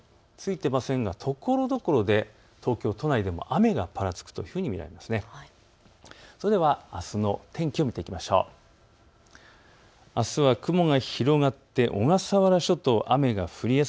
そして夜は傘のマーク、ついてませんがところどころで東京都内でも雨がぱらつくというふうに見られます。